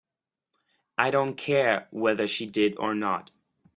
I don't care whether she did or not.